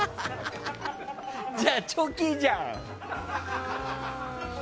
じゃあチョキじゃん！